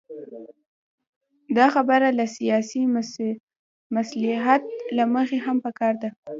دا خبره له سیاسي مصلحت له مخې هم پکار ده.